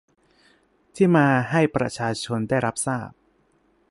ที่มาให้ประชาชนได้รับทราบ